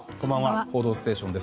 「報道ステーション」です。